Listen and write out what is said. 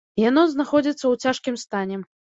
Яно знаходзіцца ў цяжкім стане.